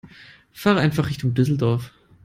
Fahre einfach Richtung Düsseldorf